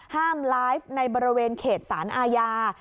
ห้ามไลฟ์ในบริเวณเขตสารอาญา